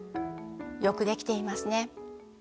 よくできていますね。